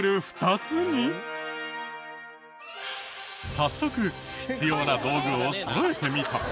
早速必要な道具をそろえてみた。